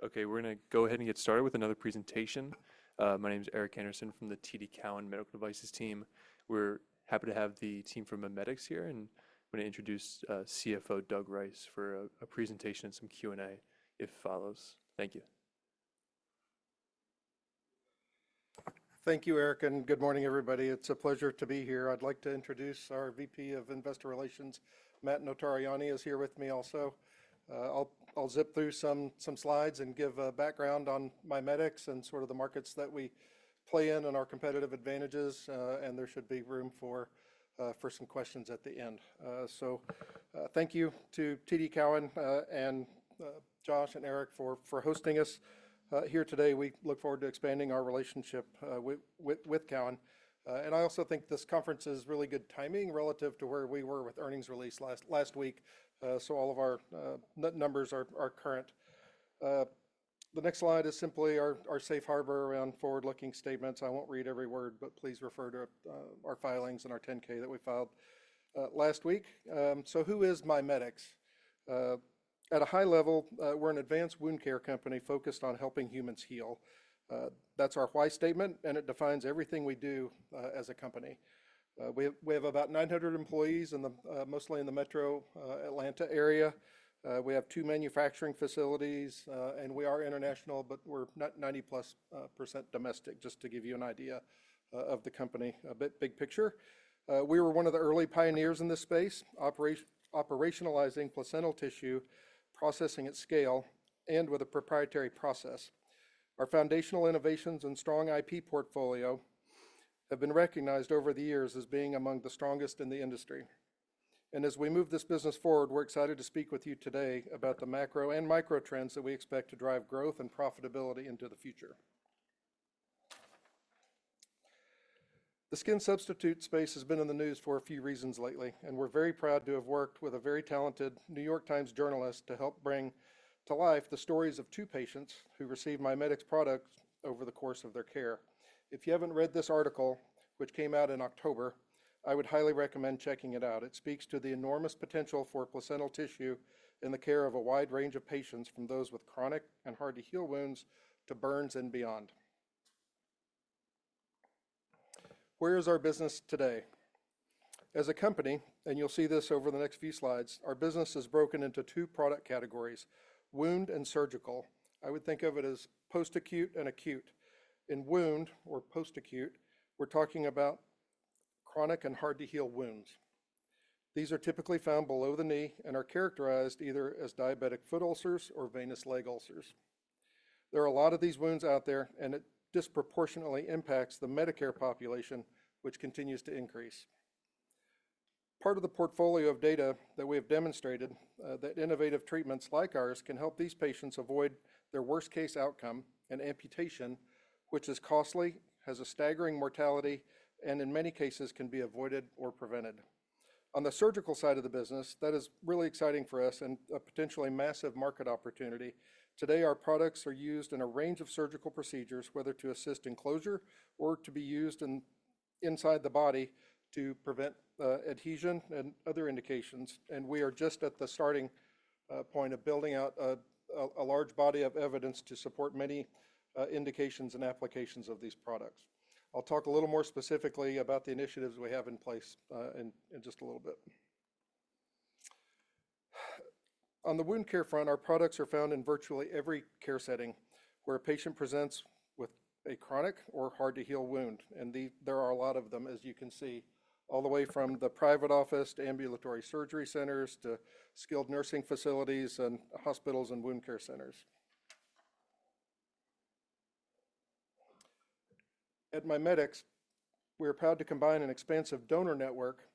Thank you. Okay, we're going to go ahead and get started with another presentation. My name is Eric Anderson from the TD Cowen Medical Devices team. We're happy to have the team from MiMedx here, and I'm going to introduce CFO Doug Rice for a presentation and some Q&A if follows. Thank you. Thank you, Eric, and good morning, everybody. It's a pleasure to be here. I'd like to introduce our VP of Investor Relations, Matt Notarianni, who is here with me also. I'll zip through some slides and give a background on MiMedx and sort of the markets that we play in and our competitive advantages, and there should be room for some questions at the end. Thank you to TD Cowen and Josh and Eric for hosting us here today. We look forward to expanding our relationship with Cowen. I also think this conference is really good timing relative to where we were with earnings release last week, so all of our numbers are current. The next slide is simply our safe harbor around forward-looking statements. I won't read every word, but please refer to our filings and our 10-K that we filed last week. Who is MiMedx? At a high level, we're an advanced wound care company focused on helping humans heal. That's our why statement, and it defines everything we do as a company. We have about 900 employees, mostly in the Metro Atlanta area. We have two manufacturing facilities, and we are international, but we're 90+% domestic, just to give you an idea of the company. Big picture. We were one of the early pioneers in this space, operationalizing placental tissue, processing at scale, and with a proprietary process. Our foundational innovations and strong IP portfolio have been recognized over the years as being among the strongest in the industry. As we move this business forward, we're excited to speak with you today about the macro and micro trends that we expect to drive growth and profitability into the future. The skin substitute space has been in the news for a few reasons lately, and we're very proud to have worked with a very talented New York Times journalist to help bring to life the stories of two patients who received MiMedx products over the course of their care. If you haven't read this article, which came out in October, I would highly recommend checking it out. It speaks to the enormous potential for placental tissue in the care of a wide range of patients, from those with chronic and hard-to-heal wounds to burns and beyond. Where is our business today? As a company, and you'll see this over the next few slides, our business is broken into two product categories: wound and surgical. I would think of it as post-acute and acute. In wound or post-acute, we're talking about chronic and hard-to-heal wounds. These are typically found below the knee and are characterized either as diabetic foot ulcers or venous leg ulcers. There are a lot of these wounds out there, and it disproportionately impacts the Medicare population, which continues to increase. Part of the portfolio of data that we have demonstrated is that innovative treatments like ours can help these patients avoid their worst-case outcome, an amputation, which is costly, has a staggering mortality, and in many cases can be avoided or prevented. On the surgical side of the business, that is really exciting for us and a potentially massive market opportunity. Today, our products are used in a range of surgical procedures, whether to assist in closure or to be used inside the body to prevent adhesion and other indications. We are just at the starting point of building out a large body of evidence to support many indications and applications of these products. I'll talk a little more specifically about the initiatives we have in place in just a little bit. On the wound care front, our products are found in virtually every care setting where a patient presents with a chronic or hard-to-heal wound, and there are a lot of them, as you can see, all the way from the private office to ambulatory surgery centers to skilled nursing facilities and hospitals and wound care centers. At MiMedx, we are proud to combine an expansive donor network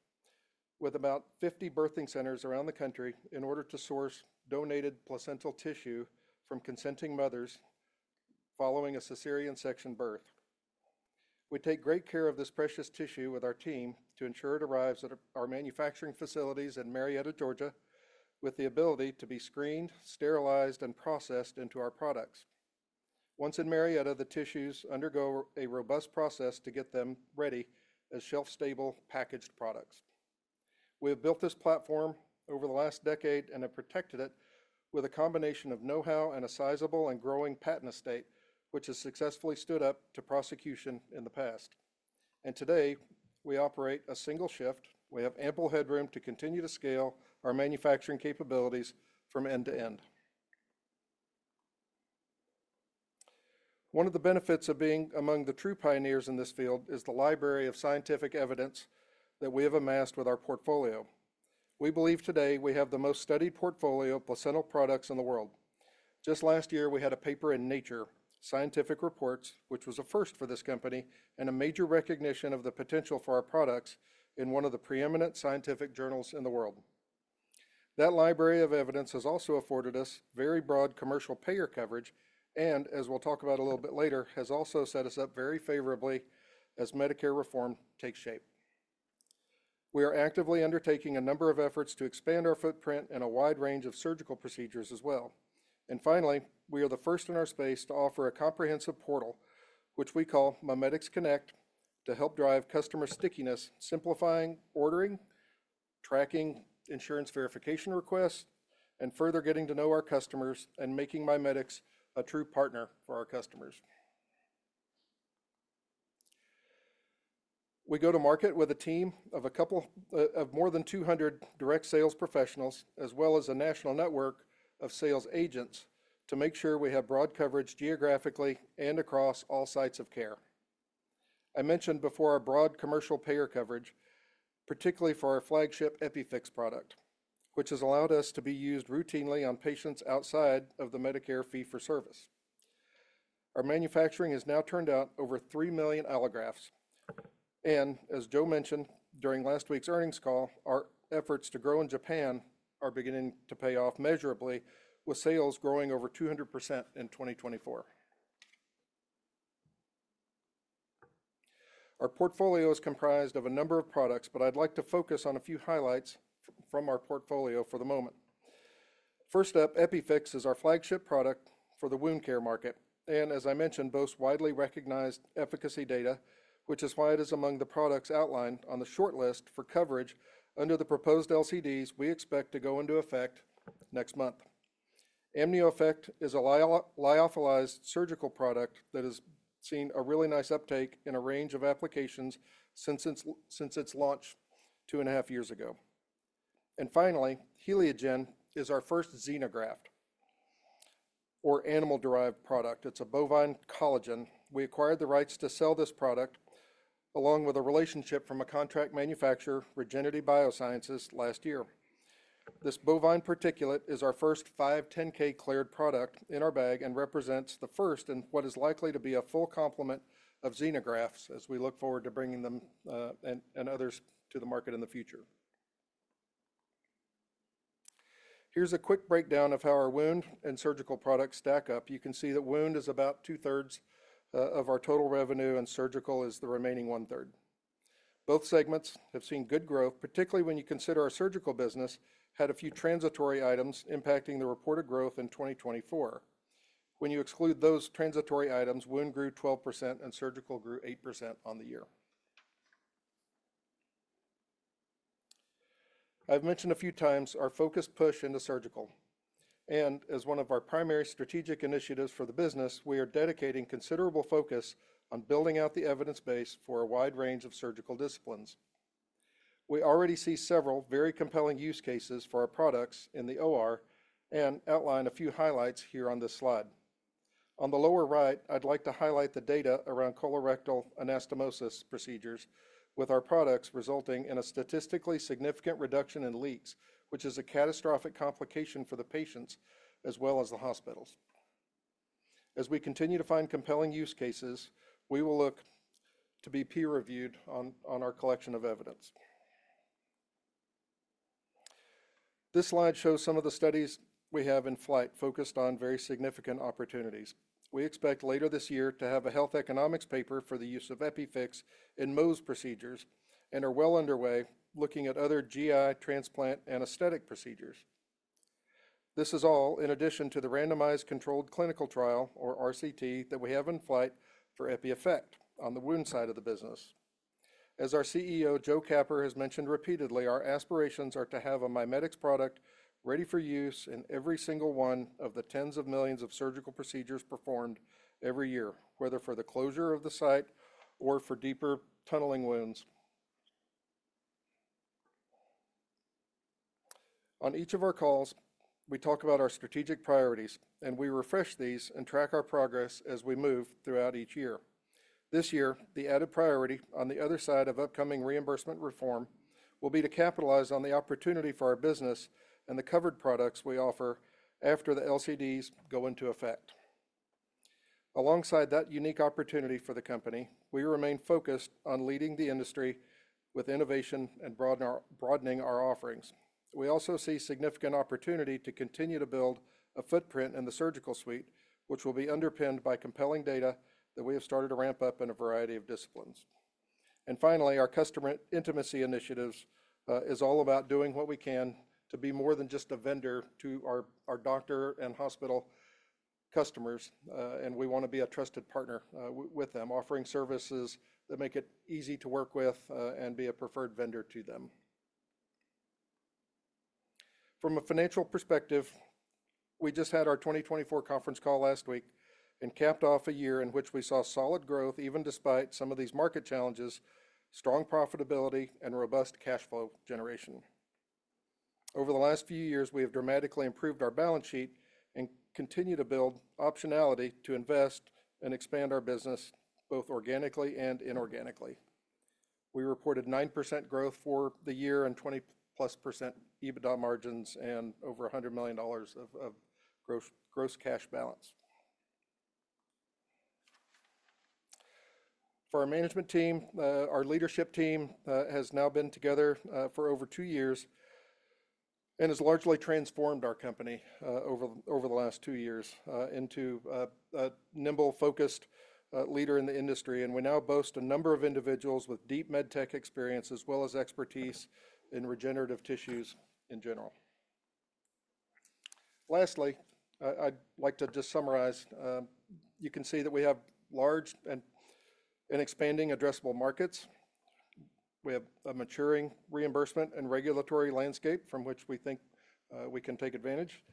with about 50 birthing centers around the country in order to source donated placental tissue from consenting mothers following a cesarean section birth. We take great care of this precious tissue with our team to ensure it arrives at our manufacturing facilities in Marietta, Georgia, with the ability to be screened, sterilized, and processed into our products. Once in Marietta, the tissues undergo a robust process to get them ready as shelf-stable packaged products. We have built this platform over the last decade and have protected it with a combination of know-how and a sizable and growing patent estate, which has successfully stood up to prosecution in the past. Today, we operate a single shift. We have ample headroom to continue to scale our manufacturing capabilities from end to end. One of the benefits of being among the true pioneers in this field is the library of scientific evidence that we have amassed with our portfolio. We believe today we have the most studied portfolio of placental products in the world. Just last year, we had a paper in Nature, Scientific Reports, which was a first for this company and a major recognition of the potential for our products in one of the preeminent scientific journals in the world. That library of evidence has also afforded us very broad commercial payer coverage and, as we'll talk about a little bit later, has also set us up very favorably as Medicare reform takes shape. We are actively undertaking a number of efforts to expand our footprint and a wide range of surgical procedures as well. Finally, we are the first in our space to offer a comprehensive portal, which we call MiMedx Connect, to help drive customer stickiness, simplifying ordering, tracking insurance verification requests, and further getting to know our customers and making MiMedx a true partner for our customers. We go to market with a team of more than 200 direct sales professionals, as well as a national network of sales agents, to make sure we have broad coverage geographically and across all sites of care. I mentioned before our broad commercial payer coverage, particularly for our flagship EPIFIX product, which has allowed us to be used routinely on patients outside of the Medicare Fee-for-Service. Our manufacturing has now turned out over 3 million allografts. As Joe mentioned during last week's earnings call, our efforts to grow in Japan are beginning to pay off measurably, with sales growing over 200% in 2024. Our portfolio is comprised of a number of products, but I'd like to focus on a few highlights from our portfolio for the moment. First up, EPIFIX is our flagship product for the wound care market and, as I mentioned, boasts widely recognized efficacy data, which is why it is among the products outlined on the shortlist for coverage under the proposed LCDs we expect to go into effect next month. AMNIOEFFECT is a lyophilized surgical product that has seen a really nice uptake in a range of applications since its launch two and a half years ago. Finally, HELIOGEN is our first xenograft or animal-derived product. It's a bovine collagen. We acquired the rights to sell this product along with a relationship from a contract manufacturer, Regenity Biosciences, last year. This bovine particulate is our first 510(k) cleared product in our bag and represents the first in what is likely to be a full complement of xenografts as we look forward to bringing them and others to the market in the future. Here's a quick breakdown of how our wound and surgical products stack up. You can see that wound is about 2/3 of our total revenue, and surgical is the remaining one-third. Both segments have seen good growth, particularly when you consider our surgical business had a few transitory items impacting the reported growth in 2024. When you exclude those transitory items, wound grew 12% and surgical grew 8% on the year. I've mentioned a few times our focused push into surgical. As one of our primary strategic initiatives for the business, we are dedicating considerable focus on building out the evidence base for a wide range of surgical disciplines. We already see several very compelling use cases for our products in the OR and outline a few highlights here on this slide. On the lower right, I'd like to highlight the data around colorectal anastomosis procedures with our products resulting in a statistically significant reduction in leaks, which is a catastrophic complication for the patients as well as the hospitals. As we continue to find compelling use cases, we will look to be peer-reviewed on our collection of evidence. This slide shows some of the studies we have in flight focused on very significant opportunities. We expect later this year to have a health economics paper for the use of EPIFIX in Mohs procedures and are well underway looking at other GI transplant anastomotic procedures. This is all in addition to the randomized controlled clinical trial, or RCT, that we have in flight for EPIEFFECT on the wound side of the business. As our CEO, Joe Capper, has mentioned repeatedly, our aspirations are to have a MiMedx product ready for use in every single one of the tens of millions of surgical procedures performed every year, whether for the closure of the site or for deeper tunneling wounds. On each of our calls, we talk about our strategic priorities, and we refresh these and track our progress as we move throughout each year. This year, the added priority on the other side of upcoming reimbursement reform will be to capitalize on the opportunity for our business and the covered products we offer after the LCDs go into effect. Alongside that unique opportunity for the company, we remain focused on leading the industry with innovation and broadening our offerings. We also see significant opportunity to continue to build a footprint in the surgical suite, which will be underpinned by compelling data that we have started to ramp up in a variety of disciplines. Finally, our customer intimacy initiative is all about doing what we can to be more than just a vendor to our doctor and hospital customers, and we want to be a trusted partner with them, offering services that make it easy to work with and be a preferred vendor to them. From a financial perspective, we just had our 2024 conference call last week and capped off a year in which we saw solid growth, even despite some of these market challenges, strong profitability, and robust cash flow generation. Over the last few years, we have dramatically improved our balance sheet and continue to build optionality to invest and expand our business both organically and inorganically. We reported 9% growth for the year and 20+ % EBITDA margins and over $100 million of gross cash balance. For our management team, our leadership team has now been together for over two years and has largely transformed our company over the last two years into a nimble, focused leader in the industry. We now boast a number of individuals with deep med tech experience as well as expertise in regenerative tissues in general. Lastly, I'd like to just summarize. You can see that we have large and expanding addressable markets. We have a maturing reimbursement and regulatory landscape from which we think we can take advantage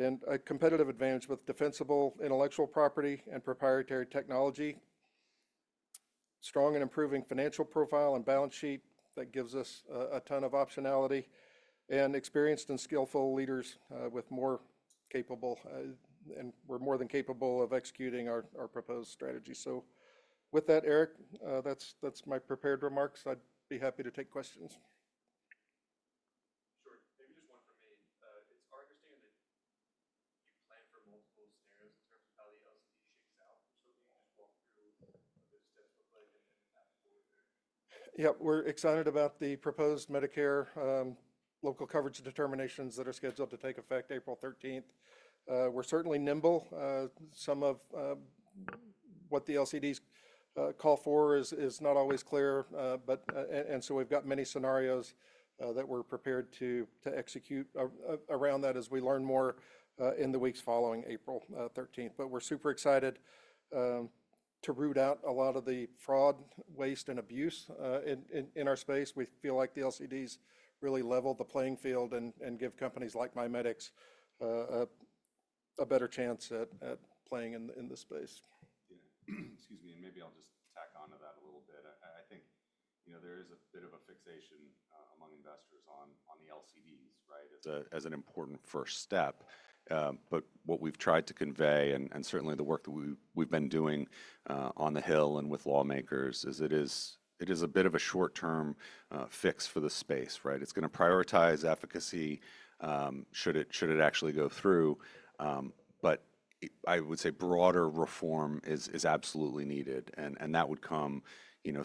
and a competitive advantage with defensible intellectual property and proprietary technology, strong and improving financial profile and balance sheet that gives us a ton of optionality, and experienced and skillful leaders with more capable and we're more than capable of executing our proposed strategy. With that, Eric, that's my prepared remarks. I'd be happy to take questions. Sure. Maybe just one from me. It's our understanding that you plan for multiple scenarios in terms of how the LCD shakes out. Can you just walk through what those steps look like and then move forward there? Yep. We're excited about the proposed Medicare Local Coverage Determinations that are scheduled to take effect April 13th. We're certainly nimble. Some of what the LCDs call for is not always clear. We've got many scenarios that we're prepared to execute around that as we learn more in the weeks following April 13th. We're super excited to root out a lot of the fraud, waste, and abuse in our space. We feel like the LCDs really level the playing field and give companies like MiMedx a better chance at playing in the space. Yeah. Excuse me. Maybe I'll just tack on to that a little bit. I think there is a bit of a fixation among investors on the LCDs, right, as an important first step. What we've tried to convey, and certainly the work that we've been doing on the Hill and with lawmakers, is it is a bit of a short-term fix for the space, right? It's going to prioritize efficacy should it actually go through. I would say broader reform is absolutely needed. That would come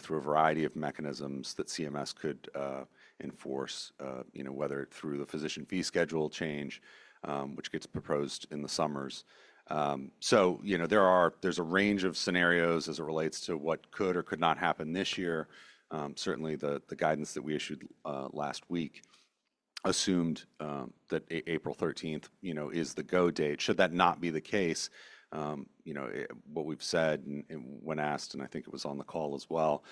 through a variety of mechanisms that CMS could enforce, whether it's through the Physician Fee Schedule change, which gets proposed in the summers. There is a range of scenarios as it relates to what could or could not happen this year. Certainly, the guidance that we issued last week assumed that April 13th is the go date. Should that not be the case, what we've said and when asked, and I think it was on the call as well,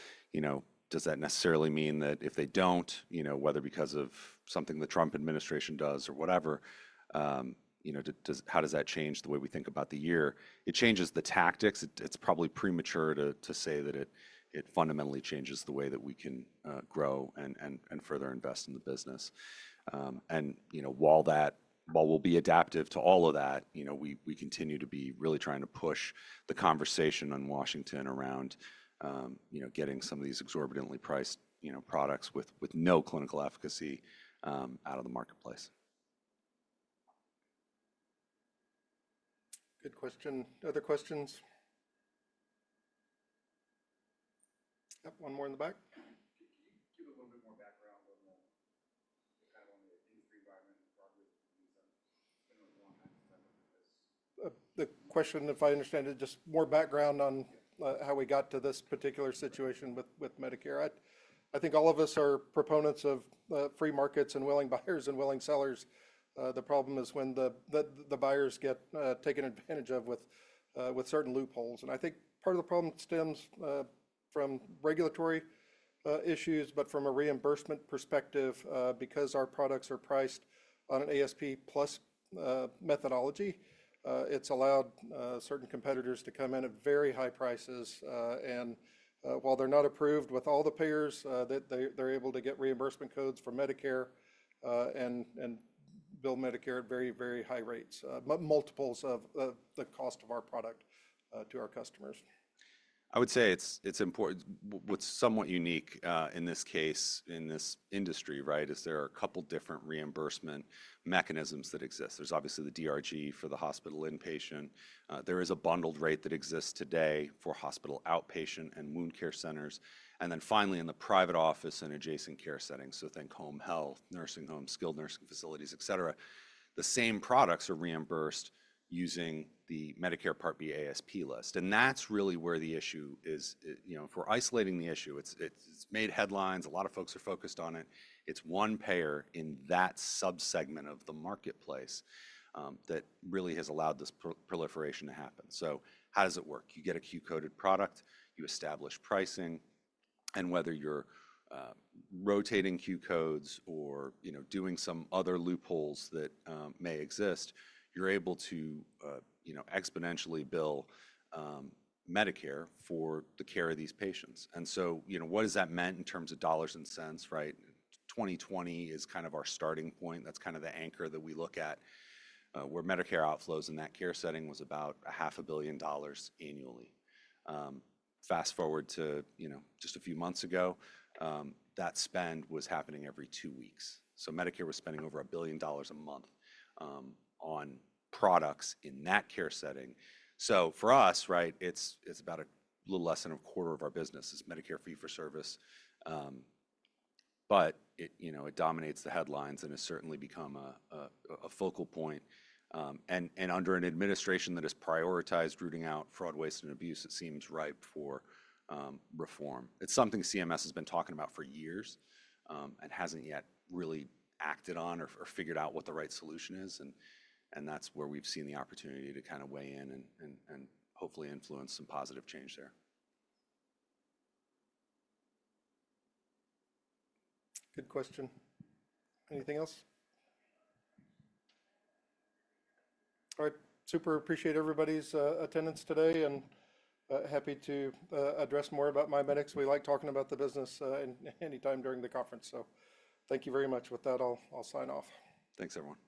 does that necessarily mean that if they don't, whether because of something the Trump administration does or whatever, how does that change the way we think about the year? It changes the tactics. It's probably premature to say that it fundamentally changes the way that we can grow and further invest in the business. While we'll be adaptive to all of that, we continue to be really trying to push the conversation in Washington around getting some of these exorbitantly priced products with no clinical efficacy out of the marketplace. Good question. Other questions? Yep. One more in the back? Can you give a little bit more background on the industry environment and the progress in the recent one happened with this? The question, if I understand it, just more background on how we got to this particular situation with Medicare. I think all of us are proponents of free markets and willing buyers and willing sellers. The problem is when the buyers get taken advantage of with certain loopholes. I think part of the problem stems from regulatory issues, but from a reimbursement perspective, because our products are priced on an ASP-plus methodology, it's allowed certain competitors to come in at very high prices. While they're not approved with all the payers, they're able to get reimbursement codes for Medicare and bill Medicare at very, very high rates, multiples of the cost of our product to our customers. I would say it's important. What's somewhat unique in this case, in this industry, right, is there are a couple of different reimbursement mechanisms that exist. There's obviously the DRG for the hospital inpatient. There is a bundled rate that exists today for hospital outpatient and wound care centers. Finally, in the private office and adjacent care settings, so think home health, nursing homes, skilled nursing facilities, et cetera, the same products are reimbursed using the Medicare Part B ASP list. That's really where the issue is. If we're isolating the issue, it's made headlines. A lot of folks are focused on it. It's one payer in that subsegment of the marketplace that really has allowed this proliferation to happen. How does it work? You get a Q-code product, you establish pricing, and whether you're rotating Q-codes or doing some other loopholes that may exist, you're able to exponentially bill Medicare for the care of these patients. What does that mean in terms of dollars and cents, right? 2020 is kind of our starting point. That's kind of the anchor that we look at where Medicare outflows in that care setting was about $500,000,000 annually. Fast forward to just a few months ago, that spend was happening every two weeks. Medicare was spending over $1,000,000,000 a month on products in that care setting. For us, right, it's about a little less than a quarter of our business is Medicare fee-for-service. It dominates the headlines and has certainly become a focal point. Under an administration that has prioritized rooting out fraud, waste, and abuse, it seems ripe for reform. It's something CMS has been talking about for years and hasn't yet really acted on or figured out what the right solution is. That's where we've seen the opportunity to kind of weigh in and hopefully influence some positive change there. Good question. Anything else? All right. Super appreciate everybody's attendance today and happy to address more about MiMedx. We like talking about the business anytime during the conference. Thank you very much. With that, I'll sign off. Thanks, everyone.